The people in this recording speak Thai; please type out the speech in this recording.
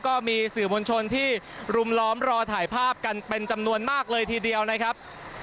ก็มีสื่อมวลชนที่รุมล้อมรอถ่ายภาพกันเป็นจำนวนมากเลยทีเดียวนะครับ